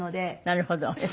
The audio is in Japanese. なるほど。